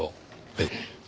はい。